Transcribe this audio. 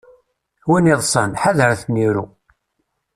Win iḍṣan, ḥadeṛ ad ten-iru.